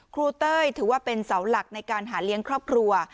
เต้ยถือว่าเป็นเสาหลักในการหาเลี้ยงครอบครัว